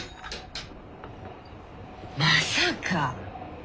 まさか！